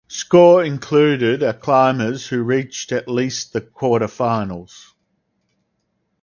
Score Included are climbers who reached at least the quarterfinals.